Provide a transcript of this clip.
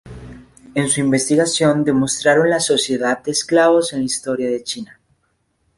En su investigación demostraron la sociedad de esclavos en la historia de China.